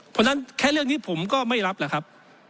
เพราะฉะนั้นแค่เรื่องนี้ผมก็ไม่รับแหละครับ